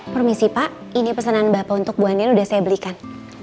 permisi pak ini pesanan bapak untuk bu ania sudah saya belikan